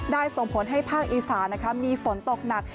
ส่งผลให้ภาคอีสานมีฝนตกหนัก